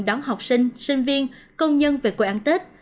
đón học sinh sinh viên công nhân về quê ăn tết